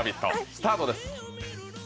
スタートです。